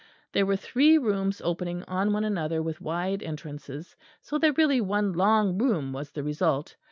There were three rooms opening on one another with wide entrances, so that really one long room was the result.